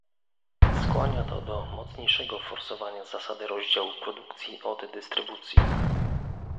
Skłania to do mocniejszego forsowania zasady rozdziału produkcji od dystrybucji